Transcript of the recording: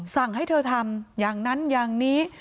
สั่งให้เธอทำอย่างนั้นอย่างนี้